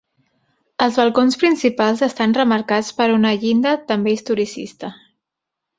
Els balcons principals estan remarcats per una llinda també historicista.